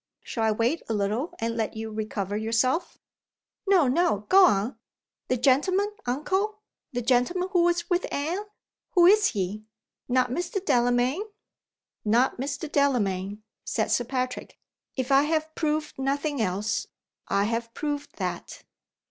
Shall I wait a little, and let you recover yourself?" "No! no! Go on! The gentleman, uncle? The gentleman who was with Anne? Who is he? Not Mr. Delamayn?" "Not Mr. Delamayn," said Sir Patrick. "If I have proved nothing else, I have proved that."